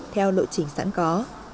theo lộ chỉnh sẵn có